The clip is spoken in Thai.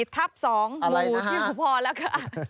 ๗๔ทับ๒หมูที่หูพอแล้วค่ะ